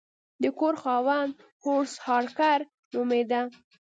د کور خاوند هورس هارکر نومیده.